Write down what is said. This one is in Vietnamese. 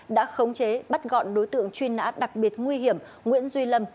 đã khống chế bắt gọn đối tượng truy nã đặc biệt nguy hiểm nguyễn duy lâm